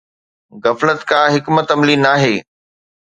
غفلت ڪا حڪمت عملي ناهي